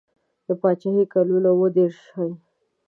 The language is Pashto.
د پاچهي کلونه اووه دېرش ښيي.